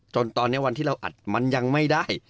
จนตอนนี้วันที่เราอัดมันยังไม่ได้